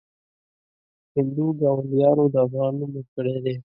هندو ګاونډیانو د افغان نوم ورکړی دی.